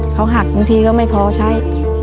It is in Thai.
เขาหักบางทีก็ไม่พอใช้